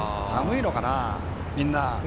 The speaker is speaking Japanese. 寒いのかな、みんな。